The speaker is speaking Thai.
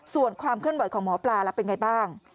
ส่วนความเคลื่อนไหวของหมอปลาแล้วเป็นไงบ้าง